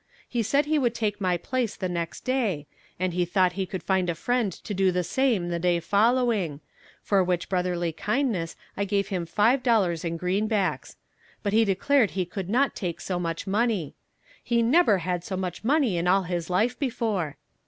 He said he would take my place the next day, and he thought he could find a friend to do the same the day following, for which brotherly kindness I gave him five dollars in greenbacks; but he declared he could not take so much money "he neber had so much money in all his life before."